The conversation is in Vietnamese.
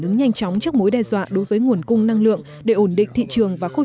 ứng nhanh chóng trước mối đe dọa đối với nguồn cung năng lượng để ổn định thị trường và khôi